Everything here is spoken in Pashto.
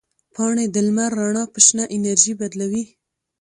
پاڼې د لمر رڼا په شنه انرژي بدلوي.